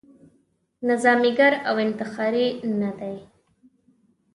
نظاميګر او انتحاري نه دی.